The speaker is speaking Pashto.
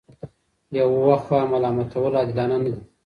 یوه خوا ملامتول عادلانه نه دي.